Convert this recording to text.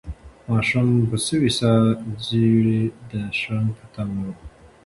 ماشوم په سوې ساه د زېري د شرنګ په تمه و.